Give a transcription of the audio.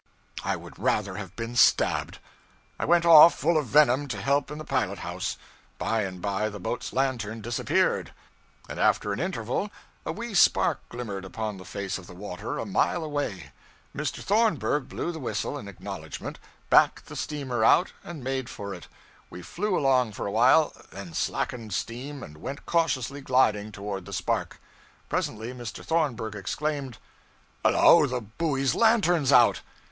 I would rather have been stabbed. I went off, full of venom, to help in the pilot house. By and by the boat's lantern disappeared, and after an interval a wee spark glimmered upon the face of the water a mile away. Mr. Thornburg blew the whistle, in acknowledgment, backed the steamer out, and made for it. We flew along for a while, then slackened steam and went cautiously gliding toward the spark. Presently Mr. Thornburg exclaimed 'Hello, the buoy lantern's out!'